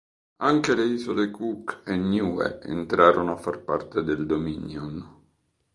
Anche le isole Cook e Niue entrarono a far parte del Dominion.